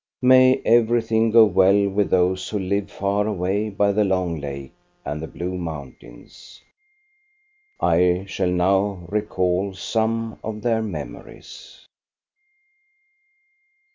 May everything go well with those who live far away by the long lake and the blue mountains 1 I shall now recall some of their memories.